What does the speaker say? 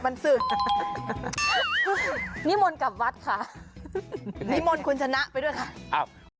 นิมนต์กลับวัดค่ะนิมนต์คุณชนะไปด้วยค่ะ